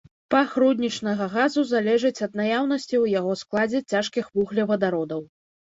Пах руднічнага газу залежыць ад наяўнасці ў яго складзе цяжкіх вуглевадародаў.